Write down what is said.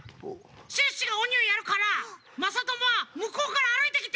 シュッシュがおにをやるからまさともはむこうからあるいてきて。